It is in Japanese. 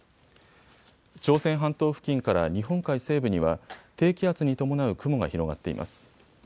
朝鮮半島付近から日本海西部には低気圧に伴う雲が広がっています。